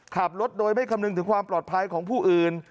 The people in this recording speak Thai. ขับรถโดยไม่คำนึงถึงความปลอดภัยของผู้อื่น